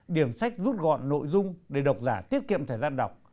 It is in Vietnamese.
điểm sách rút gọn nội dung để đọc giả tiết kiệm thời gian đọc